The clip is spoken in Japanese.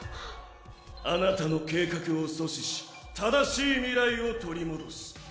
あなたの計画を阻止し正しい未来を取り戻す！